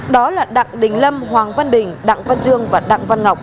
đó là đặng đình lâm hoàng văn đình đặng văn trương và đặng văn ngọc